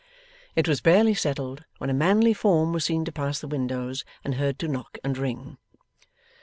It was barely settled when a manly form was seen to pass the windows and heard to knock and ring.